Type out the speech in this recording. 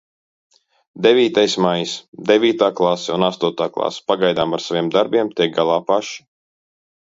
Devītais maijs. Devītā klase un astotā klase pagaidām ar saviem darbiem tiek galā paši.